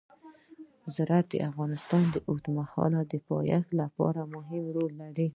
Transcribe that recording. زراعت د افغانستان د اوږدمهاله پایښت لپاره مهم رول لري.